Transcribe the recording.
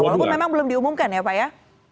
walaupun memang belum diumumkan ya pak ya